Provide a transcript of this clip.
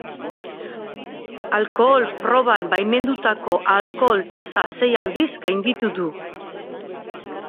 Alkohol-proban baimendutako alkohol-tasa sei aldiz gainditu du.